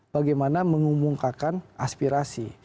bagaimana mengumumkakan aspirasi